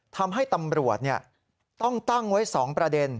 ทำให้ตำรวจต้องตั้งไว้๒ประเด็น